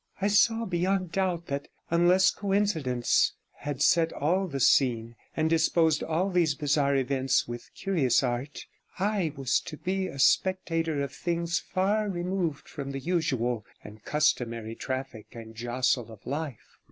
I saw beyond doubt that, unless coincidence had set all the scene and disposed all these bizarre events with curious art, I was to be a spectator of things far removed from the usual and customary traffic and jostle of life.